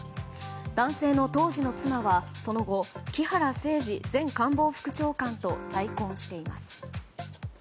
男性の当時の妻は、その後木原誠二前官房副長官と再婚しています。